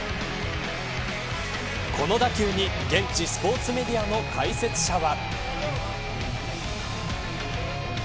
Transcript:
この打球に現地スポーツメディアの解説者は。